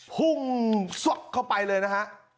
พุ่งซอกเข้าไปเลยนะฮะ